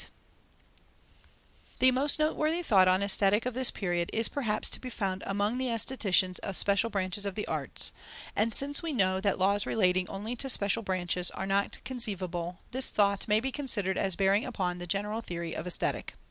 The most noteworthy thought on aesthetic of this period is perhaps to be found among the aestheticians of special branches of the arts, and since we know that laws relating only to special branches are not conceivable, this thought may be considered as bearing upon the general theory of Aesthetic.